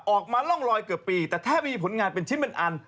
ร่องรอยเกือบปีแต่แทบไม่มีผลงานเป็นชิ้นเป็นอัน